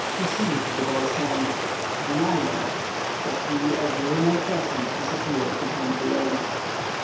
He seized the boy's hand— "An island!" said he, as the lunar crescent disappeared behind the waves.